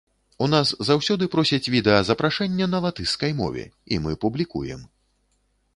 У нас заўсёды просяць відэазапрашэнне на латышскай мове і мы публікуем.